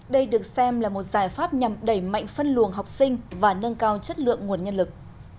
đây được xem là một giải pháp nhằm đẩy mạnh phân luồng học sinh và nâng cao chất lượng nguồn nhân lực